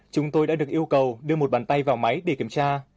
chúng tôi đã được yêu cầu đưa một bàn tay vào máy để kiểm tra